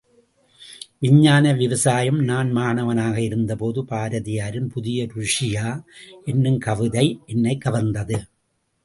விஞ்ஞான விவசாயம் நான் மாணவனாக இருந்த போது பாரதியாரின் புதிய ருஷியா என்னும் கவிதை என்னைக் கவர்ந்தது.